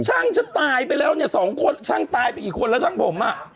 ช่างฉันตายไปแล้วเนี่ยสองคนช่างตายไปกี่คนแล้วช่างผมอ่ะ